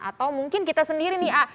atau mungkin kita sendiri nih